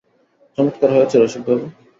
চমৎকার হয়েছে রসিকবাবু!